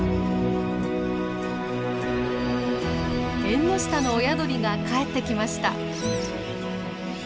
エンノシタの親鳥が帰ってきました。